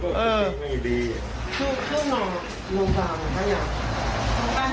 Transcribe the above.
แป๊บเบี้ยบ้าป่ะน่ะ